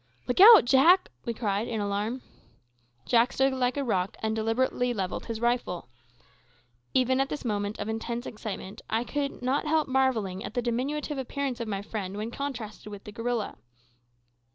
"Look out, Jack!" we cried in alarm. Jack stood like a rock and deliberately levelled his rifle. Even at this moment of intense excitement I could not help marvelling at the diminutive appearance of my friend when contrasted with the gorilla.